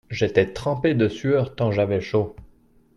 J'étais trempé de sueur tant j'avais chaud.